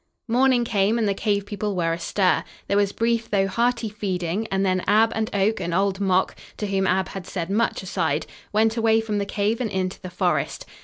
Morning came and the cave people were astir. There was brief though hearty feeding and then Ab and Oak and Old Mok, to whom Ab had said much aside, went away from the cave and into the forest.